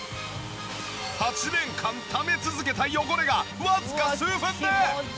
８年間ため続けた汚れがわずか数分で。